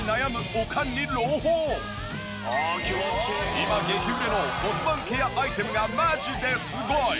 今激売れの骨盤ケアアイテムがマジですごい！